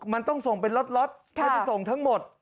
มันต้องส่งเป็นล็อตไม่ได้ส่งทั้งหมด